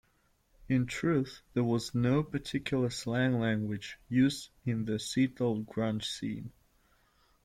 In truth, there was no particular slang language used in the Seattle grunge scene.